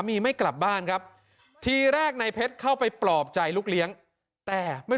มีไม่กลับบ้านครับทีแรกในเพชรเข้าไปปลอบใจลูกเลี้ยงแต่ไม่